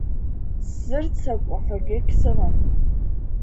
Сзырццакуа ҳәагьы агьсымам.